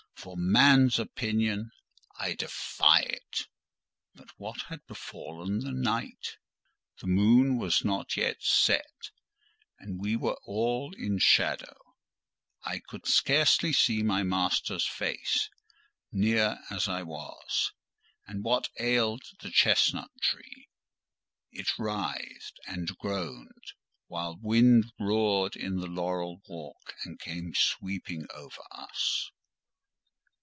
For man's opinion—I defy it." But what had befallen the night? The moon was not yet set, and we were all in shadow: I could scarcely see my master's face, near as I was. And what ailed the chestnut tree? it writhed and groaned; while wind roared in the laurel walk, and came sweeping over us.